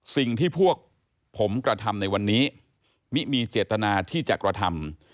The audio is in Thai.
สิ่งที่พวกผมกระทำในวันนี้มิมีเจตนาที่จะกระทำ